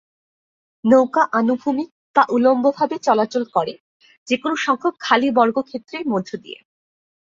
নৌকা আনুভূমিক বা উল্লম্বভাবে চলাচল করে, যে কোনো সংখ্যক খালি বর্গক্ষেত্রের মধ্য দিয়ে।